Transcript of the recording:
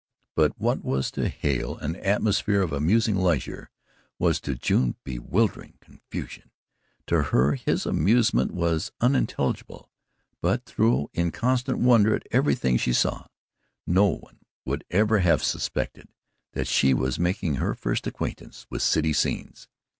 But what was to Hale an atmosphere of amusing leisure was to June bewildering confusion. To her his amusement was unintelligible, but though in constant wonder at everything she saw, no one would ever have suspected that she was making her first acquaintance with city scenes.